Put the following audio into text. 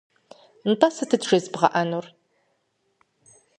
Нтӏэ сытыт жезыбгъэӏэнур?